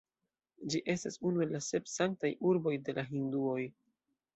Ĝi estas unu el la sep sanktaj urboj de la hinduoj.